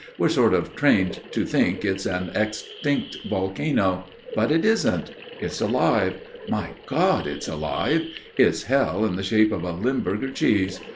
"We're sort of trained to think it's an extinct volcano, but it isn't. It's alive. My God! It's alive. It's Hell in the shape of a Limburger cheese.